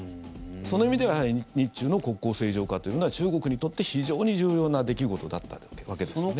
その意味では、やはり日中の国交正常化というのは中国にとって、非常に重要な出来事だったわけですね。